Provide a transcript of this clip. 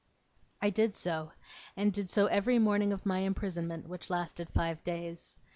I did so, and did so every morning of my imprisonment, which lasted five days.